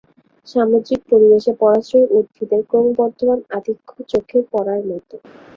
সামুদ্রিক পরিবেশে পরাশ্রয়ী উদ্ভিদের ক্রমবর্ধমান আধিক্য চোখে পড়ার মত।